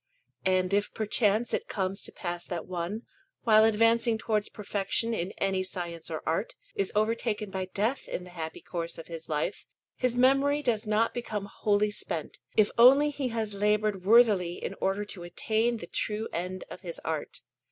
And if perchance it comes to pass that one, while advancing towards perfection in any science or art, is overtaken by death in the happy course of his life, his memory does not become wholly spent, if only he has laboured worthily in order to attain to the true end of his art.